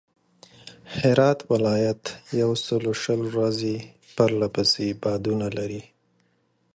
هرات ولایت یوسلوشل ورځي پرله پسې بادونه لري.